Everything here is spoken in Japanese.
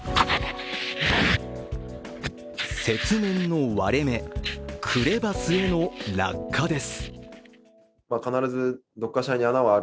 雪面の割れ目、クレバスへの落下です。